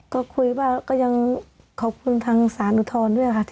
ก็คุยว่าก็ยังขอบคุณทางสารอุทธรณ์ด้วยค่ะ